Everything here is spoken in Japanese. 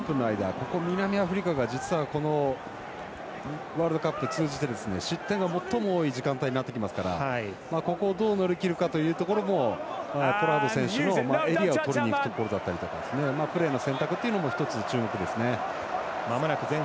ここ、南アフリカが実は、ワールドカップ通じて失点が最も多い時間帯になってきますからここをどう乗り切るかというところも、ポラード選手のエリアをとりにいくところなどプレーの選択も一つ注目ですね。